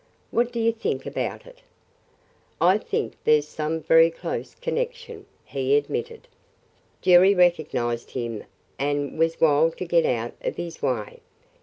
What do you think about it?" "I think there 's some very close connection," he admitted. "Jerry recognized him and was wild to get out of his way.